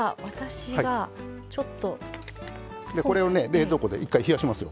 これを冷蔵庫で一回冷やします。